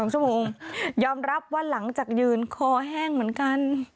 ๒ชั่วโมงยอมรับว่าหลังจากยืนคอแห้งเหมือนกัน